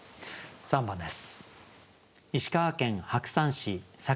３番です。